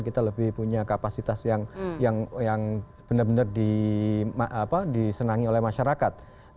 kita lebih punya kapasitas yang benar benar disenangi oleh masyarakat